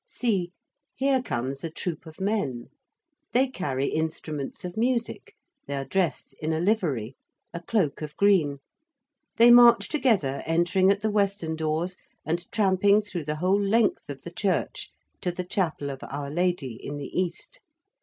See; here comes a troop of men. They carry instruments of music: they are dressed in a livery, a cloak of green: they march together entering at the western doors and tramping through the whole length of the church to the chapel of Our Lady in the East.